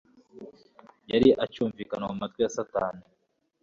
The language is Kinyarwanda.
yari acyumvikana mu matwi ya Satani.